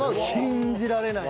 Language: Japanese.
信じられないね。